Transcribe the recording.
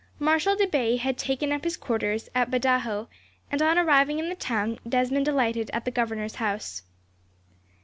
Marshal de Bay had taken up his quarters at Badajos, and on arriving in the town, Desmond alighted at the governor's house.